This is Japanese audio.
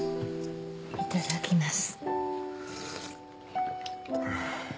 いただきます。